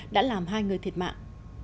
đã làm hai người thiệt mạng